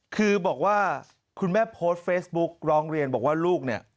คือบอกว่าคุณแม่โพสต์เฟซบุ๊กร้องเรียนบอกว่าลูกเนี่ย